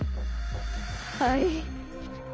はい。